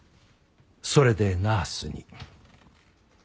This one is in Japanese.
それでナースに。